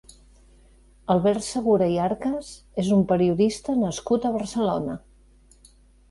Albert Segura i Arcas és un periodista nascut a Barcelona.